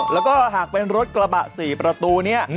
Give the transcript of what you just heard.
แล้วก็หากเป็นรถกระบะ๔ประตูนี้